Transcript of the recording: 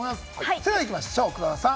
それではいきましょう、黒田さん。